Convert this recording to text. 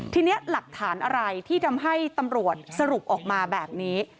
ทีนี้หลักฐานอะไรที่ทำให้ตำรวจสรุปออกมาแบบนี้